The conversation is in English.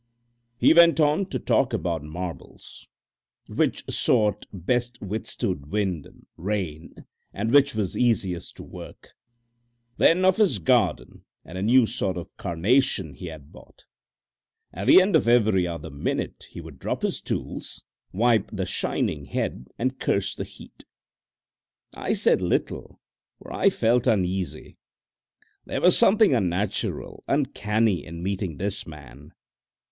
He went on to talk of marbles, which sort best withstood wind and rain, and which were easiest to work; then of his garden and a new sort of carnation he had bought. At the end of every other minute he would drop his tools, wipe the shining head, and curse the heat. I said little, for I felt uneasy. There was something unnatural, uncanny, in meeting this man.